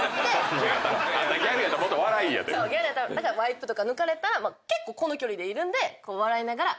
だからワイプとか抜かれたら結構この距離でいるんで笑いながら。